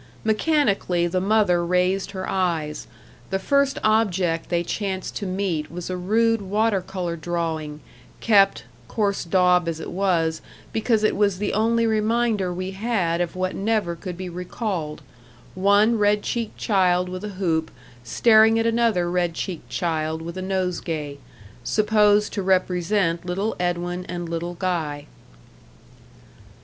Mechanically the mother raised her eyes; the first object they chanced to meet was a rude water colour drawing, kept, coarse daub as it was, because it was the only reminder we had of what never could be recalled one red cheeked child with a hoop, staring at another red cheeked child with a nosegay supposed to represent little Edwin and little Guy.